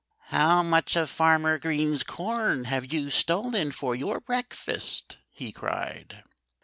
"How much of Farmer Green's corn have you stolen for your breakfast?" he cried.